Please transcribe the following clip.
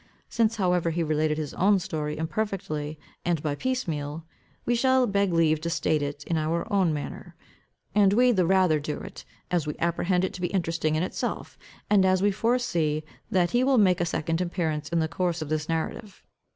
Since however he related his own story imperfectly and by piece meal, we shall beg leave to state it in our own manner. And we the rather do it, as we apprehend it to be interesting in itself, and as we foresee that he will make a second appearance in the course of this narrative.